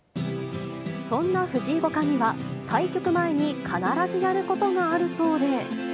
そんな藤井五冠には、対局前に必ずやることがあるそうで。